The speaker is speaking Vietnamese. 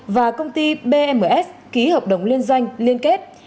và công ty bms ký hợp đồng liên doanh liên kết